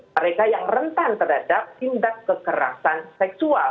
mereka yang rentan terhadap tindak kekerasan seksual